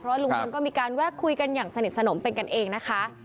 ลุงพลก็มีการแวะคุยกันอย่างสนิทสนมเป็นกันเองนะคะ